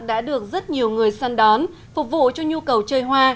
đã được rất nhiều người săn đón phục vụ cho nhu cầu chơi hoa